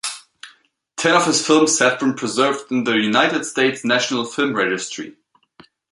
Ten of his films have been preserved in the United States National Film Registry.